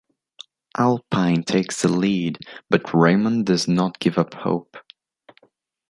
Alpine takes the lead, but Raimon does not give up hope.